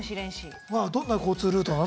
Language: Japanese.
どんな交通ルートなの？